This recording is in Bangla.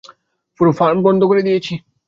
পুরো ফার্ম বন্ধ করে দিয়েছি।